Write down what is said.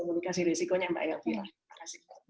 komunikasi risikonya mbak elvira